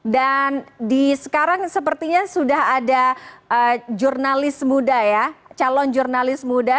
dan di sekarang sepertinya sudah ada jurnalis muda ya calon jurnalis muda